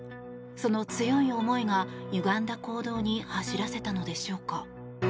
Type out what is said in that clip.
その強い思いが、ゆがんだ行動に走らせたのでしょうか。